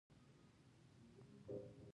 خواړه باید پاک او خوندي وي.